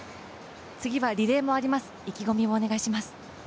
次はリレーもあります、意気込みをお願いします。